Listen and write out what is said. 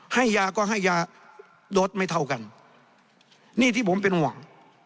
ให้ยาก็ให้ยาโดสไม่เท่ากันนี่ที่ผมเป็นห่วง